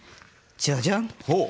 じゃじゃん。